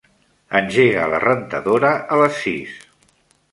Engega la rentadora a les sis.